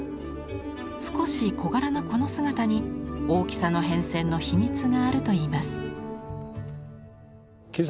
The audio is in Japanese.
少し小柄なこの姿に大きさの変遷の秘密があるといいます。